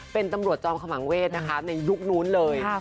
เป็นตำรวจจอมขมังเวศนะคะในยุคนู้นเลย